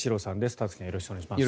田崎さんよろしくお願いします。